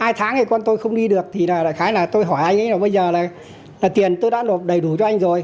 hai tháng thì con tôi không đi được thì là khá là tôi hỏi anh ấy là bây giờ là tiền tôi đã đột đầy đủ cho anh rồi